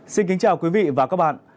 xin kính chào quý vị và các bạn